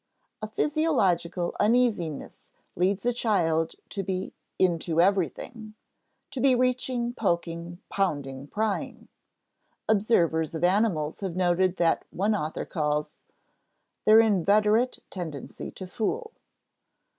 A physiological uneasiness leads a child to be "into everything," to be reaching, poking, pounding, prying. Observers of animals have noted what one author calls "their inveterate tendency to fool."